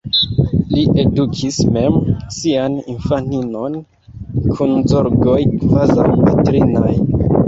Li edukis mem sian infaninon, kun zorgoj kvazaŭ patrinaj.